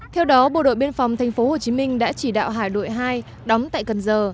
theo đó bộ đội biên phòng tp hcm đã chỉ đạo hải đội hai đóng tại cần giờ